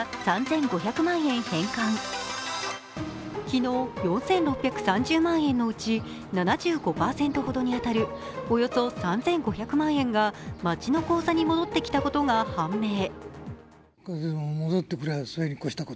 昨日４６３０万円のうち７５％ほどに当たるおよそ３５００万円が町の口座に戻ってきたことが判明。